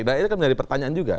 nah ini kan menjadi pertanyaan juga